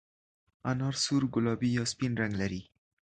انار سور، ګلابي یا سپین رنګ لري.